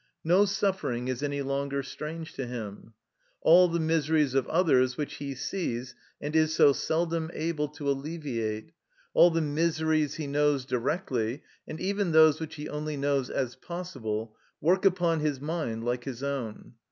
No suffering is any longer strange to him. All the miseries of others which he sees and is so seldom able to alleviate, all the miseries he knows directly, and even those which he only knows as possible, work upon his mind like his own.